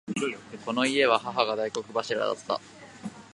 この家は母が大黒柱だった。